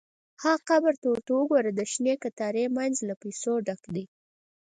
– ها قبر! ته ورته وګوره، د شنې کتارې مینځ له پیسو ډک دی.